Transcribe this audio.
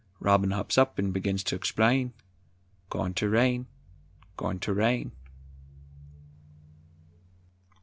Robin hops on 'n begins ter explain, "Goin' ter rain, goin' ter rain!"